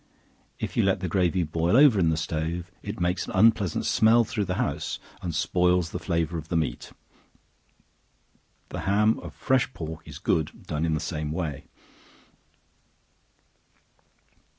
If you let the gravy boil over in the stove, it makes an unpleasant smell through the house, and spoils the flavor of the meat. The ham of fresh pork is good, done in the same way.